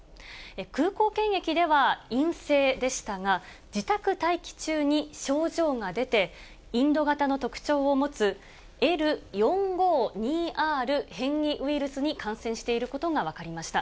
空港検疫では陰性でしたが、自宅待機中に症状が出て、インド型の特徴を持つ、Ｌ４５２Ｒ変異ウイルスに感染していることが分かりました。